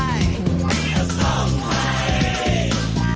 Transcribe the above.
ไม่เอาซ่อมใหม่